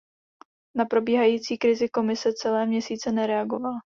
Na probíhající krizi Komise celé měsíce nereagovala.